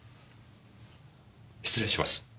失礼します。